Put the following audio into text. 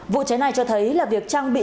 vụ cháy này cho thấy là việc trang bị